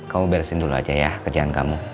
kamu beresin dulu aja ya kerjaan kamu